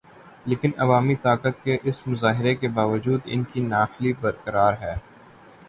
لیکن عوامی طاقت کے اس مظاہرے کے باوجود ان کی نااہلی برقرار ہے۔